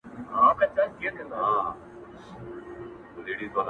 دا خو ډيره گرانه ده~